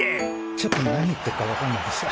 ちょっと何言ってるかわかんないです。